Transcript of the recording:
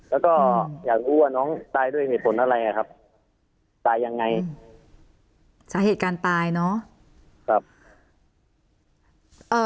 แล้วก็อยากรู้ว่าน้องตายด้วยมีผลอะไรครับตายยังไงสถาเหตุการณ์ตายเนอะ